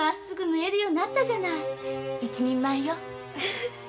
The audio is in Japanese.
縫えるようになったじゃないの一人前よ。